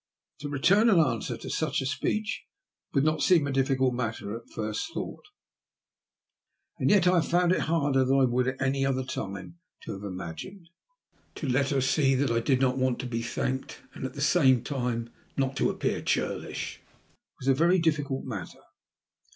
To return an answer to such [a speech would not seem a difficult matter at first thought, and yet I found it harder than I would at any other time have imagined. To let her see that I did not want to be thanked, and at the same time not to appear churlish, was a very difficult matter.